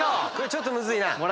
ちょっとむずいな。